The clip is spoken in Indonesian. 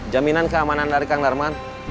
jaminan keamanan dari kang darman